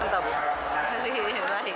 bagaimana jasa penata rias